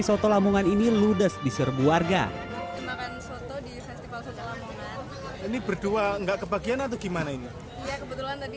soto lamongan ini ludes di serbu warga ini berdua enggak kebagian atau gimana ini kebetulan tadi